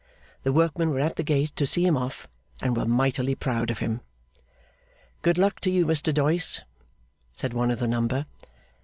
The workmen were at the gate to see him off, and were mightily proud of him. 'Good luck to you, Mr Doyce!' said one of the number.